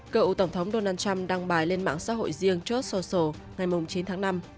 cựu tổng thống donald trump đăng bài lên mạng xã hội riêng charles social ngày chín tháng năm